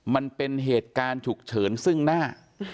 มันเป็นเหตุการณ์ฉุกเฉินซึ่งหน้า